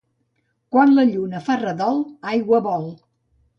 Quan la lluna fa redol, aigua vol.